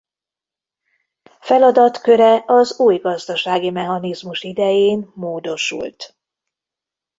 Feladatköre az új gazdasági mechanizmus idején módosult.